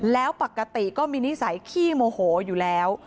แล้วปกติก็มีนิสัยขี้โมโหอยู่แล้ว